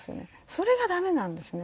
それがダメなんですね。